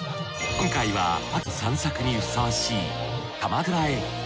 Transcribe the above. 今回は秋の散策にふさわしい鎌倉へ。